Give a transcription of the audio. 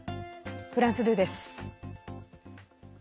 フランス２です。